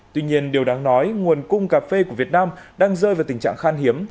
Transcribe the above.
tuy nhiên điều đáng nói nguồn cung cà phê của việt nam đang rơi vào tình trạng khan hiếm